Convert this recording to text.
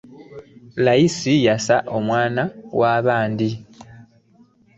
Layisi yassa omwana wa baandi.